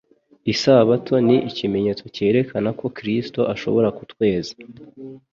Isabato ni ikimenyetso cyerekana ko Kristo ashobora kutweza.